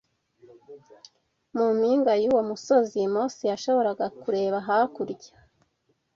Mu mpinga y’uwo musozi Mose yashoboraga kureba hakurya